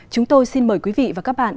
chúng tôi xin mời quý vị và các bạn